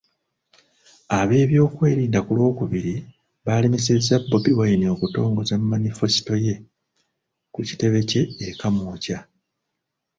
Ab'ebyokwerinda ku Lwokubiri baalemesezza Bobi Wine okutongoza manifesito ye ku kitebe kye e Kamwokya.